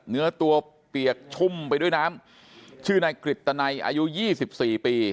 เนื้อตัวเปียกชุ่มไปด้วยน้ำชื่อนายกฤตนัยอายุ๒๔ปี